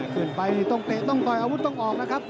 ขึ้นไปต้องเตะต้องต่อยอาวุธต้องออกนะครับ